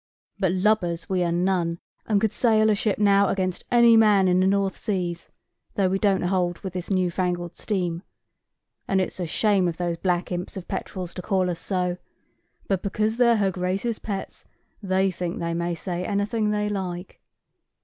But lubbers we are none, and could sail a ship now against any man in the North seas, though we don't hold with this new fangled steam. And it's a shame of those black imps of petrels to call us so; but because they're her grace's pets, they think they may say anything they like."